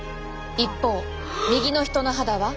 一方右の人の肌は。